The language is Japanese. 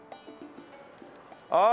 ああ。